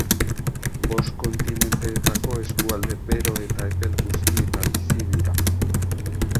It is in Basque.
Bost kontinenteetako eskualde bero eta epel guztietan bizi dira.